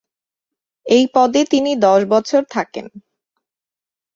এই পদে তিনি দশ বছর থাকেন।